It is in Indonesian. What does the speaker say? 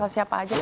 sama siapa aja